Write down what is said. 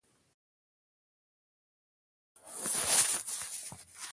کله چي خواړه خورې؛ په داسي وخت کښې بس کړئ، چي موړ نه يې.